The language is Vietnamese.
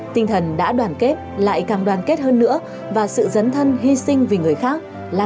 tinh thần đã đoàn kết lại càng đoàn kết hơn nữa và sự dấn thân hy sinh vì người khác